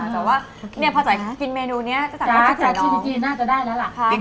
แต่ว่าเนี่ยพอจ๋ากินเมนูเนี่ยจะสั่งให้พี่ทายลองจ๋าที่ที่กินน่าจะได้แล้วล่ะ